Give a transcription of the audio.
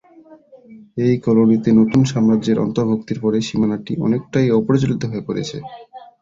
এই কলোনিতে নতুন সাম্রাজ্যের অন্তর্ভুক্তির পরে সীমানাটি অনেকটাই অপ্রচলিত হয়ে পড়ে।